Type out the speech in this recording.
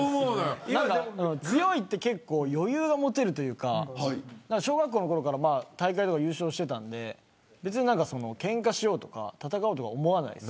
強いって結構余裕が持てるというか小学校のころから大会で優勝していたのでけんかしようとか戦おうとは思わないんです。